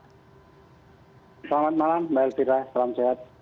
selamat malam mbak elvira salam sehat